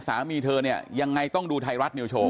สามีเธอเนี่ยยังไงต้องดูไทยรัฐนิวโชว